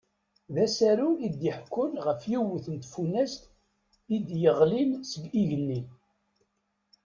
D asaru i d-iḥekkun ɣef yiwet n tfunast i d-yeɣlin seg igenni.